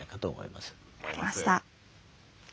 分かりました。